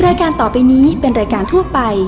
รายการต่อไปนี้เป็นรายการทั่วไป